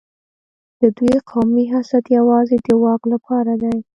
د دوی قومي حسد یوازې د واک لپاره دی.